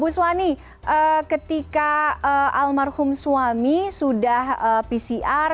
bu suwani ketika almarhum suami sudah pcr